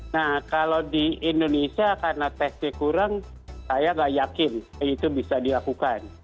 nah kalau di indonesia karena tesnya kurang saya nggak yakin itu bisa dilakukan